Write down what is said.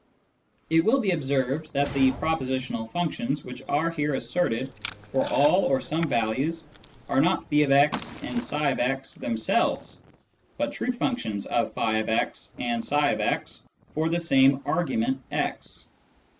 It will be observed that the propositional functions which are here asserted for all or some values are not <j>x and tfix them selves, but truth functions of <j>x and i/jx for the same argument x.